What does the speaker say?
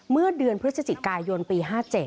เมื่อเดือนพฤศจิกายนปี๕๗